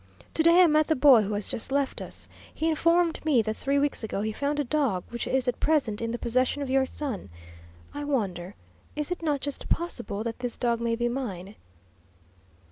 To day I met the boy who has just left us. He informed me that three weeks ago he found a dog, which is at present in the possession of your son. I wonder is it not just possible that this dog may be mine?"